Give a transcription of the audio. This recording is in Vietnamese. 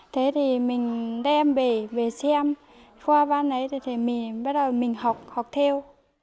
thế thì mình đem về về xem hoa văn ấy thì mình bắt đầu mình học học theo